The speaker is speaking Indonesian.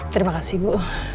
terima kasih bu